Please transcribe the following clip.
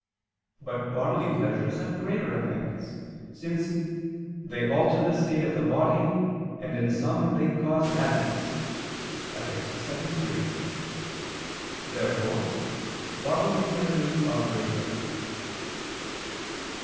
But bodily pleasures have greater effects; since "they alter the state of the body, and in some they cause madness" (Ethic. vii, 3). Therefore bodily pleasures are greater.